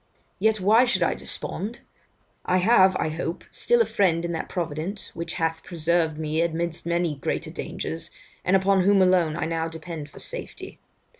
Yet why should I despond? I have, I hope, still a friend in that Providence which hath preserved me amidst many greater dangers, and upon whom alone I now depend for safety.